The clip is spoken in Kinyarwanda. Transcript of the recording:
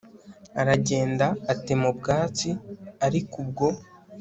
aragenda atema ubwatsi Aliko ubwo